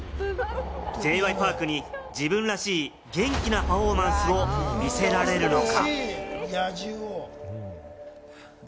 Ｊ．Ｙ．Ｐａｒｋに自分らしい元気なパフォーマンスを見せられるのか？